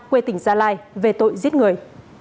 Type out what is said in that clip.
quê tỉnh gia lai về tội giết người